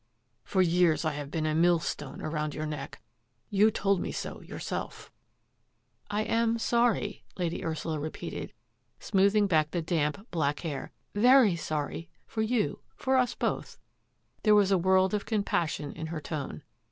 For years I have been a millstone around your neck. You told me so yourself." "THE SPORTING BARONET" 238 " I am sorry," Lady Ursula repeated, smooth ing back the damp, black hair, " very sorry, for you — for us both." There was a world of com passion in her tone.